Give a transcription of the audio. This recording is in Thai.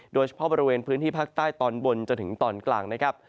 โดยเฉพาะบริเวณพื้นที่ภาคใต้ตอนบนจนถึงตอนกลางนะครับ